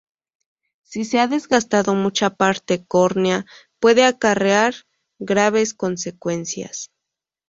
Si se ha desgastado mucha parte córnea, puede acarrear graves consecuencias.